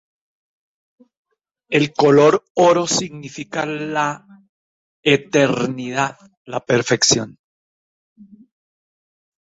El color oro significa la eternidad, la perfección.